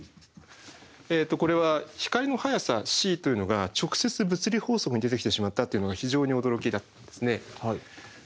これは光の速さｃというのが直接物理法則に出てきてしまったというのが非常に驚きだったんですね。